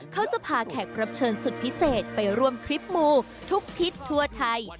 เขาจะพาแขกรับเชิญสุดพิเศษไปร่วมทริปมูทุกทิศทั่วไทย